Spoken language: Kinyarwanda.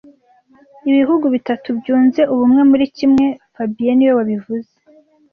Ibi bihugu bitatu byunze ubumwe muri kimwe fabien niwe wabivuze